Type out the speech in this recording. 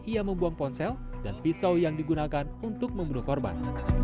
ia membuang ponsel dan pisau yang digunakan untuk membunuh korban